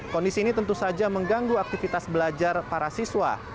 kondisi ini tentu saja mengganggu aktivitas belajar para siswa